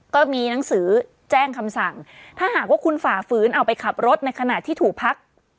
ก็มีหนังสือแจ้งคำสั่งถ้าหากว่าคุณฝ่าฝืนเอาไปขับรถในขณะที่ถูกพัก